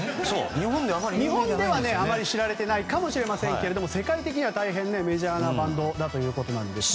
日本ではあまり知られていないかもしれませんけれども世界的には大変メジャーなバンドです。